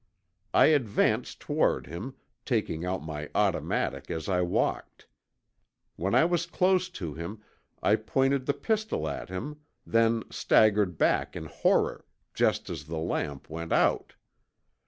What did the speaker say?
I advanced toward him, taking out my automatic as I walked. When I was close to him I pointed the pistol at him, then staggered back in horror, just as the lamp went out.